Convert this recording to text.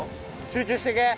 集中していけ。